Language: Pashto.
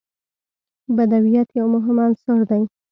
بدویت یو مهم عنصر دی.